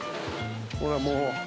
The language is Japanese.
ほらもう。